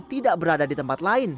tidak berada di tempat lain